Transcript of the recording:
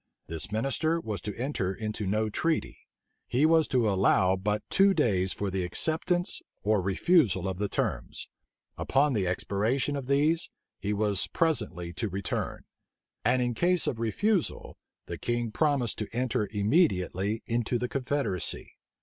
This minister was to enter into no treaty: he was to allow but two days for the acceptance or refusal of the terms: upon the expiration of these, he was presently to return: and in case of refusal, the king promised to enter immediately into the confederacy.